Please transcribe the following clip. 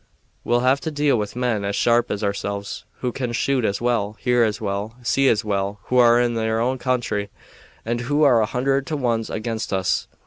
We'll have to deal with men as sharp as ourselves, who can shoot as well, hear as well, see as well, who are in their own country, and who are a hundred to one against us.